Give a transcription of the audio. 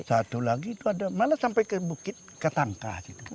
satu lagi itu ada malah sampai ke bukit ketangkas